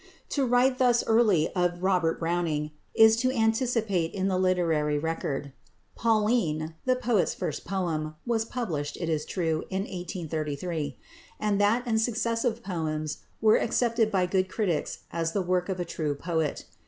To write thus early of =Robert Browning (1812 1889)= is to anticipate in the literary record. "Pauline," the poet's first poem, was published, it is true, in 1833; and that and successive poems were accepted by good critics as the work of a true poet.